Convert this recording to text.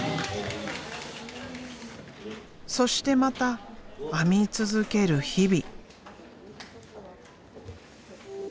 そしてまた編み続ける日々。